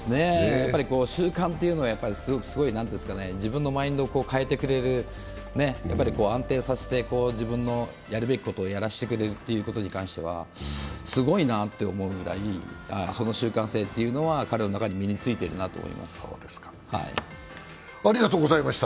習慣っていうのはすごい、自分のマインドを変えてくれる、安定させて自分のやるべきことをやらせてくれるということに関してはすごいなって思うぐらい、その習慣性というのは彼の中に身についてるなと思います。